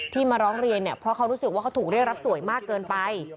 มาร้องเรียนเนี่ยเพราะเขารู้สึกว่าเขาถูกเรียกรับสวยมากเกินไป